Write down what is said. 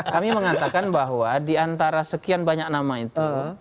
kami mengatakan bahwa diantara sekian banyak nama itu